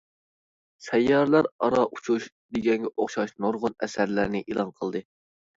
«سەييارىلەر ئارا ئۇچۇش» دېگەنگە ئوخشاش نۇرغۇن ئەسەرلەرنى ئېلان قىلدى.